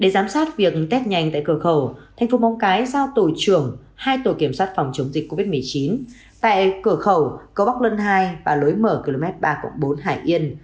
giám sát việc test nhanh tại cửa khẩu tp hcm giao tổ trưởng hai tổ kiểm soát phòng chống dịch covid một mươi chín tại cửa khẩu cầu bắc lân hai và lối mở km ba bốn hải yên